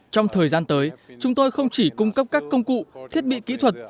trong thời gian tới chúng tôi không chỉ cung cấp các công cụ thiết bị kỹ thuật